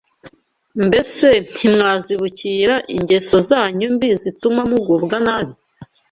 Mbese ntimwazibukira ingeso zanyu mbi zituma mugubwa nabi?